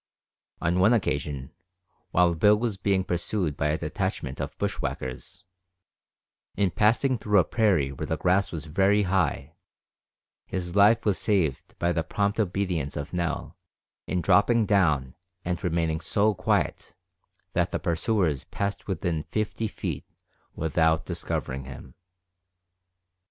On one occasion, while Bill was being pursued by a detachment of bushwackers, in passing through a prairie where the grass was very high, his life was saved by the prompt obedience of Nell in dropping down and remaining so quiet that the pursuers passed by within fifty feet without discovering him.